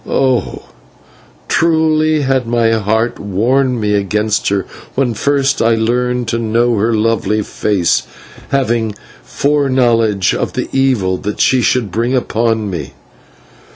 Oh! truly had my heart warned me against her when first I learned to know her lovely face, having foreknowledge of the evil that she should bring upon me.